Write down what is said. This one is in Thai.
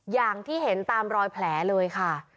อย่างที่เห็นตามรอยแผลเลยค่ะ